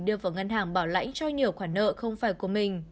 đưa vào ngân hàng bảo lãnh cho nhiều khoản nợ không phải của mình